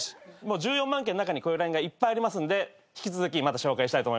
１４万件の中にこういうＬＩＮＥがいっぱいありますんで引き続きまた紹介したいと思います。